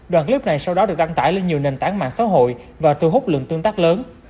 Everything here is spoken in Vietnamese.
đoạn clip này sau đó được đăng tải lên nhiều nền tảng mạng xã hội và thu hút lượng tương tác lớn